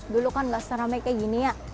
dulu kan nggak seramai kayak gini ya